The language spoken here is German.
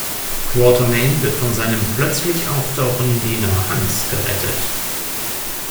Quatermain wird von seinem plötzlich auftauchenden Diener Hans gerettet.